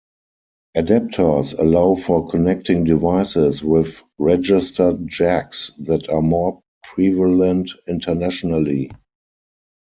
Adaptors allow for connecting devices with registered jacks that are more prevalent internationally.